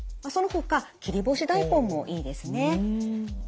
そのほか切り干し大根もいいですね。